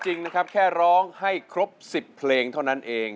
จริงนะครับแค่ร้องให้ครบ๑๐เพลงเท่านั้นเอง